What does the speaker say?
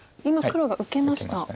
今黒が受けました。